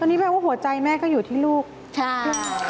ตอนนี้แปลว่าหัวใจแม่ก็อยู่ที่ลูกใช่